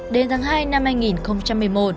đến tháng hai năm hai nghìn một mươi bảy